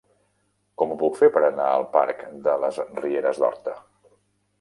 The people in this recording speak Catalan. Com ho puc fer per anar al parc de les Rieres d'Horta?